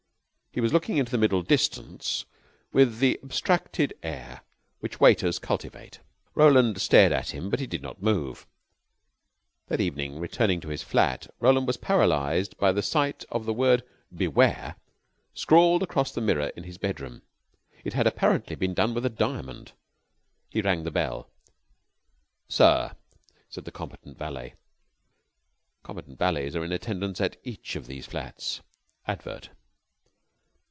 He was looking into the middle distance with the abstracted air which waiters cultivate. Roland stared at him, but he did not move. That evening, returning to his flat, Roland was paralyzed by the sight of the word "Beware" scrawled across the mirror in his bedroom. It had apparently been done with a diamond. He rang the bell. "Sir?" said the competent valet. ("Competent valets are in attendance at each of these flats." _Advt.